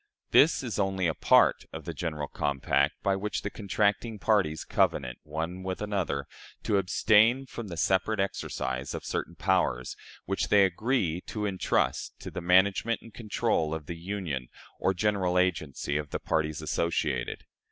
This is only a part of the general compact, by which the contracting parties covenant, one with another, to abstain from the separate exercise of certain powers, which they agree to intrust to the management and control of the union or general agency of the parties associated.